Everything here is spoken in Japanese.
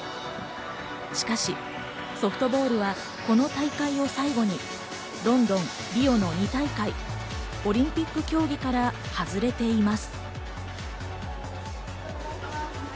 しかし、ソフトボールはこの大会を最後にロンドン、リオの２大会、オリンピック競技から外れています。